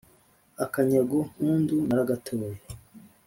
Akanyago mpundu naragatoye!